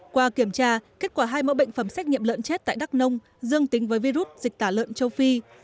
qua kiểm tra kết quả hai mẫu bệnh phẩm xét nghiệm lợn chết tại đắk nông dương tính với virus dịch tả lợn châu phi